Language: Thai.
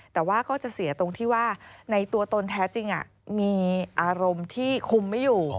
แต่ว่าก็จะเสียตรงที่ว่าในตัวตนแท้จริงมีอารมณ์ที่คุมไม่อยู่